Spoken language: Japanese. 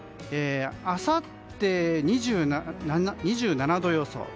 あさっては、２７度予想。